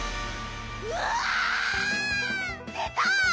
うわ！出た！